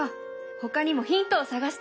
ほかにもヒントを探してみよう。